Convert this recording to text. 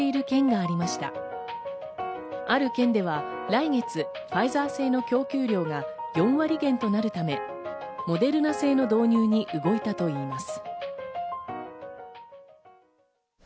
ある県では来月、ファイザー製の供給量が４割減となるため、モデルナ製の導入に動いたといいます。